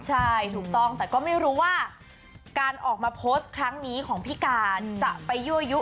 ใช่ถูกต้องแต่ก็ไม่รู้ว่าการออกมาโพสต์ครั้งนี้ของพี่การจะไปยั่วยุ